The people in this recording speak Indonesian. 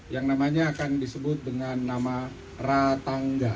yang namanya akan disebut dengan nama ratangga